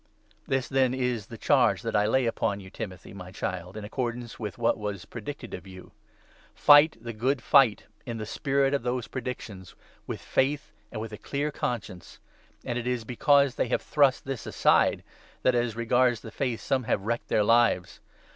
This, then, is the charge that I lay upon you, 18 HIS charge Timothy, my Child, in accordance with what was to Timothy. ..•', i «• i ^ Ai j e i ^• Ai predicted or you — right the good right in the spirit of those predictions, with faith, and with a clear con 19 science ; and it is because they have thrust this aside, that, as regards the Faith, some have wrecked their lives.